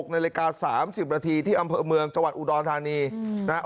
นาฬิกา๓๐นาทีที่อำเภอเมืองจังหวัดอุดรธานีนะครับ